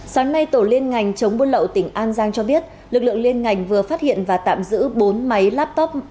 sáng nay tổ liên ngành chống buôn lậu tỉnh an giang cho biết lực lượng liên ngành vừa phát hiện và tạm giữ bốn máy laptop